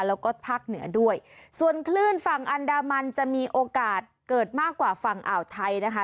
แล้วก็ภาคเหนือด้วยส่วนคลื่นฝั่งอันดามันจะมีโอกาสเกิดมากกว่าฝั่งอ่าวไทยนะคะ